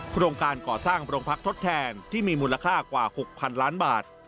โครงการก่อสร้างโรงพักทดแทนที่มีมูลค่ากว่า๖๐๐๐ล้านบาท